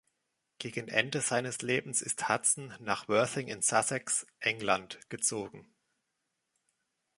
Gegen Ende seines Lebens ist Hudson nach Worthing in Sussex, England, gezogen.